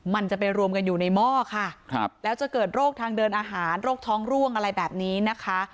มันจะไปรวมกันอยู่ในหม้อค่ะแล้วจะเกิดโรคทางเดินอาหารโรคท้องร่วงอะไรแบบนี้นะคะ